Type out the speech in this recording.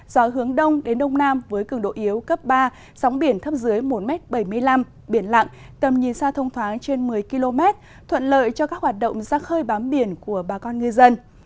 gió hướng đông đến đông nam với cường độ yếu cấp ba sóng biển thấp dưới một bảy mươi năm biển lặng tầm nhìn xa thông thoáng trên một mươi km thuận lợi cho các hoạt động ra khơi bám biển của bà con ngư dân